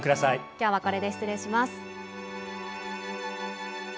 「今日はこれで失礼します」。